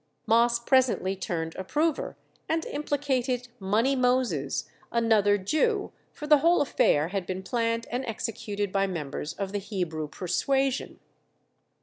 Moss presently turned approver, and implicated "Money Moses," another Jew, for the whole affair had been planned and executed by members of the Hebrew persuasion.